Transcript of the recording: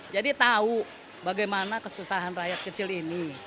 jadi tahu bagaimana kesusahan rakyat kecil ini